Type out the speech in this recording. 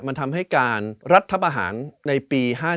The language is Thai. มันทำให้การรัฐประหารในปี๕๗